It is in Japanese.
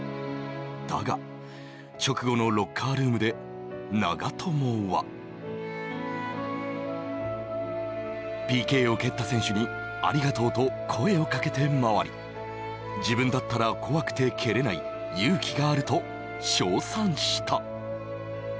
だが、直後のロッカールームで長友はＰＫを蹴った選手に「ありがとう」と声をかけて回り自分だったら怖くて蹴れない勇気があると称賛した。